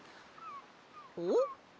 おっ？